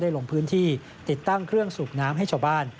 ลงพื้นที่ติดตั้งเครื่องสูบน้ำให้ชาวบ้าน